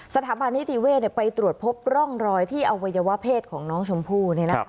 สถาบันนิติเวศไปตรวจพบร่องรอยที่อวัยวะเพศของน้องชมพู่